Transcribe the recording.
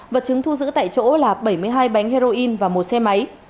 vật chứng thu giữ tại chỗ là bảy mươi hai bánh heroin và một xe máy